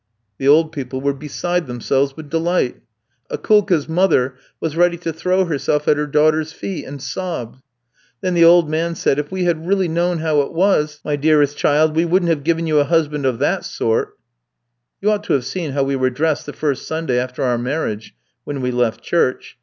"The old people were beside themselves with delight. Akoulka's mother was ready to throw herself at her daughter's feet, and sobbed. "Then the old man said, 'If we had known really how it was, my dearest child, we wouldn't have given you a husband of that sort.' "You ought to have seen how we were dressed the first Sunday after our marriage when we left church!